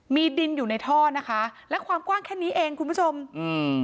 มีดินอยู่ในท่อนะคะและความกว้างแค่นี้เองคุณผู้ชมอืม